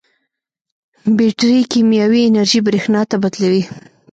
بیټرۍ کیمیاوي انرژي برېښنا ته بدلوي.